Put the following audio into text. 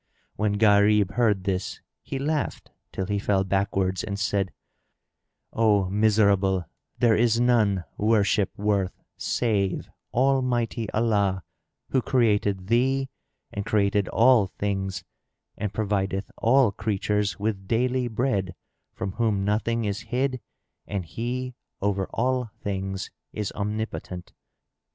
When Gharib heard this, he laughed till he fell backwards and said, "O miserable, there is none worship worth save Almighty Allah, who created thee and created all things and provideth all creatures with daily bread, from whom nothing is hid and He over all things is Omnipotent."